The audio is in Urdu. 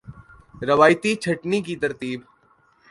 روایتی چھٹنی کی ترتیب